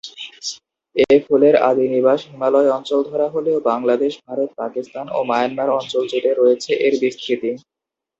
এ ফুলের আদিনিবাস হিমালয় অঞ্চল ধরা হলেও বাংলাদেশ, ভারত, পাকিস্তান ও মায়ানমার অঞ্চল জুড়ে রয়েছে এর বিস্তৃতি।